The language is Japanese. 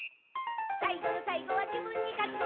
「さいごのさいごはじぶんにかつのだ」